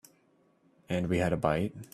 And we had a bite.